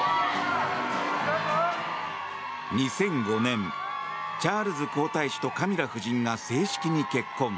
２００５年、チャールズ皇太子とカミラ夫人が正式に結婚。